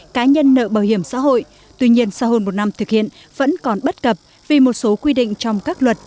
cá nhân nợ bảo hiểm xã hội tuy nhiên sau hơn một năm thực hiện vẫn còn bất cập vì một số quy định trong các luật